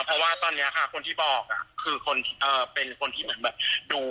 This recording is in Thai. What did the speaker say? เพราะว่าตอนนี้ค่ะคนที่บอกคือเป็นคนที่เหมือนแบบดู